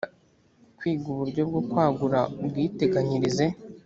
kwiga uburyo bwo kwagura ubwiteganyirize